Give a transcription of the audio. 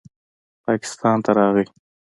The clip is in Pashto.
پاکستان ته راغے